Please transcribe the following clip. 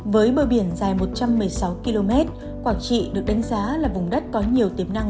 với bờ biển dài một trăm một mươi sáu km quảng trị được đánh giá là vùng đất có nhiều tiềm năng